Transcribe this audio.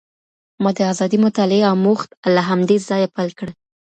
ما د ازادې مطالعې اموخت له همدې ځایه پیل کړ.